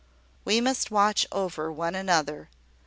We must watch over one another.